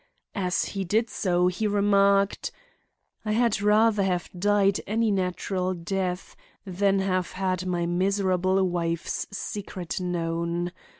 As he did so he remarked: "I had rather have died any natural death than have had my miserable wife's secret known.